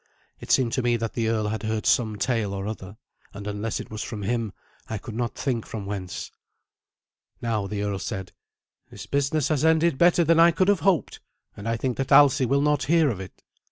It seemed to me that the earl had heard some tale or other, and unless it was from him I could not think from whence. Now the earl said, "This business has ended better than I could have hoped, and I think that Alsi will not hear of it.